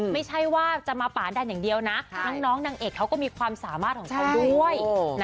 ไม่ใช่ว่าจะมาป่าดันอย่างเดียวนะน้องนางเอกเขาก็มีความสามารถของเขาด้วย